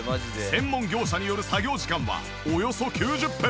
専門業者による作業時間はおよそ９０分。